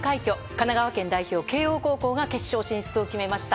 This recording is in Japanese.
神奈川県代表、慶應高校が決勝進出を決めました。